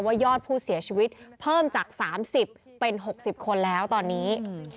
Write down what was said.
ยอดผู้เสียชีวิตเพิ่มจาก๓๐เป็น๖๐คนแล้วตอนนี้